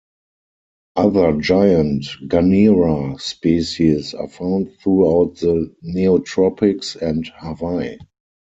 Other giant "Gunnera" species are found throughout the Neotropics and Hawaii.